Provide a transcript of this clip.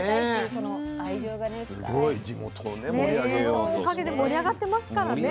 そのおかげで盛り上がってますからね。